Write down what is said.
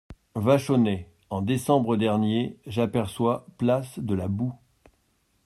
Vachonnet En … décembre dernier … j'aperçois place de la Bou …